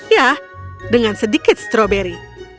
yah dengan sedikit stroberi